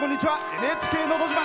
「ＮＨＫのど自慢」。